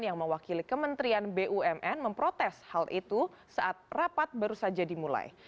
yang mewakili kementerian bumn memprotes hal itu saat rapat baru saja dimulai